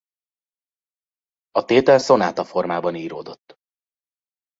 A tétel szonátaformában íródott.